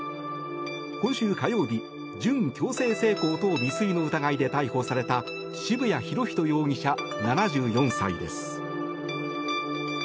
今週火曜日、準強制性交等未遂の疑いで逮捕された渋谷博仁容疑者、７４歳です。